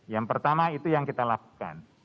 yang pertama itu yang kita lakukan